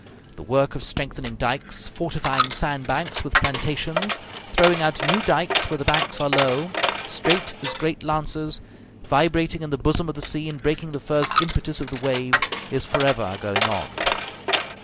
The work of strengthening dikes, fortifying sand banks with plantations, throwing out new dikes where the banks are low, straight as great lances, vibrating in the bosom of the sea and breaking the first impetus of the wave, is forever going on.